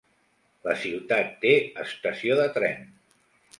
La ciutat té estació de tren.